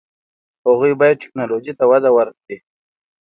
هغوی باید ټیکنالوژي ته وده ورکړي.